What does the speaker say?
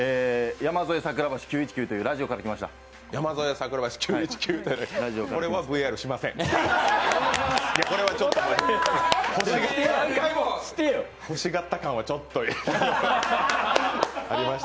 「山添桜橋９１９」というラジオから来ました。